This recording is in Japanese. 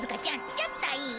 ちょっといい？